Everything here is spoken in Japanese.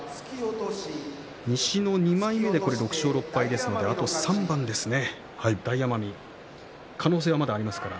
西の２枚目で６勝６敗ですからあと３番ですね、大奄美可能性はまだありますから。